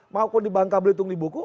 mau pun di bangka belitung di buku